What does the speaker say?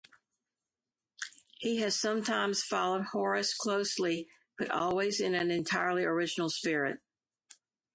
He has sometimes followed Horace closely, but always in an entirely original spirit.